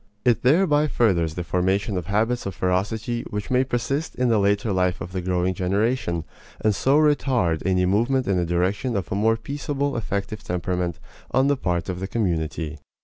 It thereby furthers the formation of habits of ferocity which may persist in the later life of the growing generation, and so retard any movement in the direction of a more peaceable effective temperament on the part of the community.